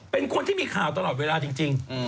เป็นคนที่มีข่าวตลอดเวลาจริง